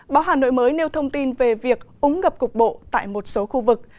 báo hà nội mới nêu thông tin về việc ống ngập cục bộ tại một số khu vực